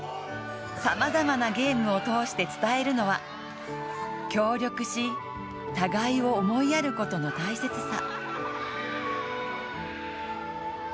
さまざまなゲームを通して伝えるのは協力し、互いを思いやることの大切さ。